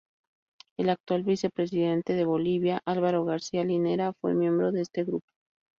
El actual vicepresidente de Bolivia, Álvaro García Linera, fue miembro de este grupo.